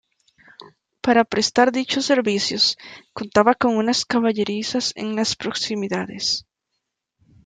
Para prestar dichos servicios, contaba con unas caballerizas en las proximidades.